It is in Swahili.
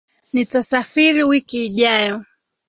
Nitasafiri wiki ijayo